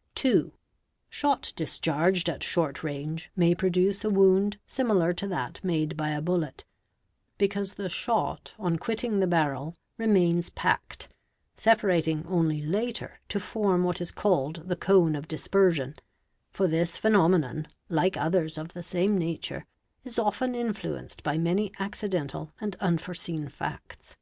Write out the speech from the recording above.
—————— ee id ' 2. Shot discharged at short range may produce a wound similar to that made by a bullet; because the shot on quitting the barrel remains _ packed, separating only later to form what is called the cone of dispersion, ' for this phenomenon, like others of the same nature, is often influenced _ by many accidental and unforeseen facts.